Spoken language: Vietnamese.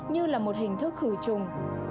như là một hình thức khử trùng